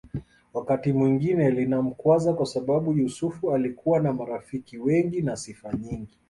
Wakati mwingine linamkwaza kwasababu Yusuf alikuwa na marafiki wengi na sifa nyingi